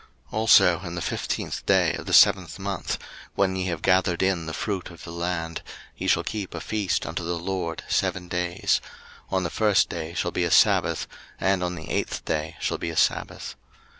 03:023:039 Also in the fifteenth day of the seventh month, when ye have gathered in the fruit of the land, ye shall keep a feast unto the LORD seven days: on the first day shall be a sabbath, and on the eighth day shall be a sabbath.